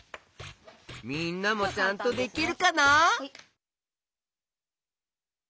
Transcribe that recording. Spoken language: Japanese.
みんなもちゃんとできるかな？